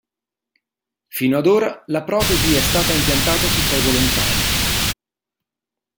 Fino ad ora la protesi è stata impiantata su sei volontari.